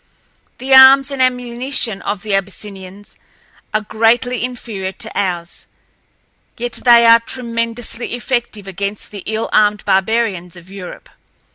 The arms and ammunition of the Abyssinians are greatly inferior to ours, yet they are tremendously effective against the ill armed barbarians of Europe.